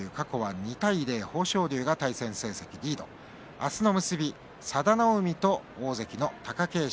明日の結び佐田の海と大関の貴景勝。